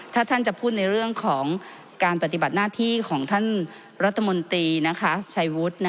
ถ้าท่านจะพูดในเรื่องของการปฏิบัติหน้าที่ของท่านรัฐมนตรีชัยวุฒิ